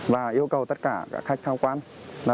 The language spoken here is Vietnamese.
và yêu cầu tất cả các khách tham quan